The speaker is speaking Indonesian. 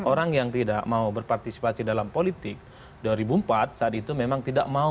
orang yang tidak mau berpartisipasi dalam politik dua ribu empat saat itu memang tidak mau